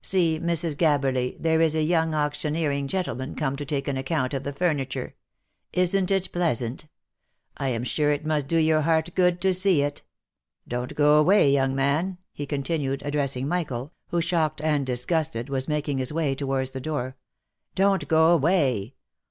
See, Mrs. Gabberly, there is a young auctioneering gentleman come to take an account of the furniture. Isn't it pleasant ? I am sure it must do your heart good to see it. Don't go away, young man !" he continued, addressing Michael, who, shocked and disgusted, was making his way towards the door. " Don't go away.